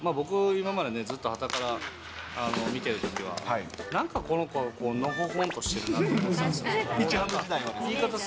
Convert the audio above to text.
僕、今までね、ずっとはたから見てるときは、なんかこの子はのほほんとしてるなと思ってたんです。